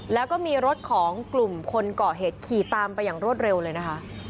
แล้วก็มีรถของกลุ่มคนก่อเหตุขี่ตามไปอย่างรวดเร็วเลยนะคะ